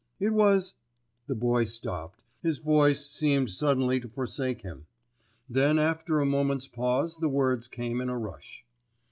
"It was——" the Boy stopped; his voice seemed suddenly to forsake him. Then after a moment's pause the words came in a rush.